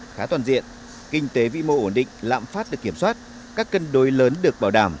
khá toàn diện kinh tế vĩ mô ổn định lạm phát được kiểm soát các cân đối lớn được bảo đảm